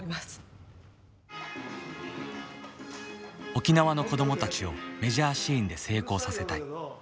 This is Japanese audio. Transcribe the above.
沖縄の子どもたちをメジャーシーンで成功させたい。